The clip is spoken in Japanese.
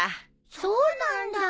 そうなんだ！